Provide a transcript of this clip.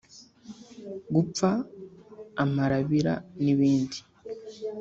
gupfa amarabira n’ibindi